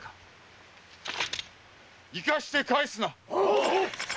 生かして帰すな！